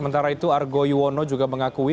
sementara itu argo yuwono juga mengakui